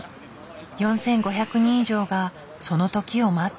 ４，５００人以上がその時を待っている。